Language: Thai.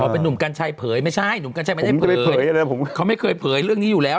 อ๋อเป็นหนุ่มกัญชัยเผยไม่ใช่หนุ่มกัญชัยไม่ได้เผยเขาไม่เคยเผยเรื่องนี้อยู่แล้ว